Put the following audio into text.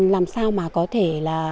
làm sao mà có thể